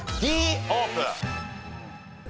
Ｄオープン。